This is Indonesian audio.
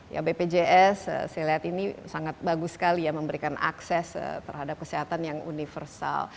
ya bpjs saya lihat ini sangat bagus sekali ya memberikan akses terhadap kesehatan yang universal